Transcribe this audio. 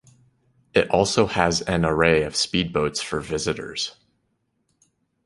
It also has an array of speed boats for visitors.